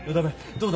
どうだ？